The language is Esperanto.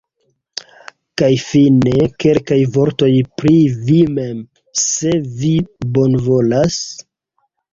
Kaj fine, kelkaj vortoj pri vi mem, se vi bonvolas?